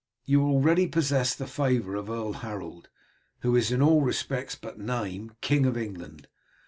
You already possess the favour of Earl Harold, who is, in all respects but name, King of England.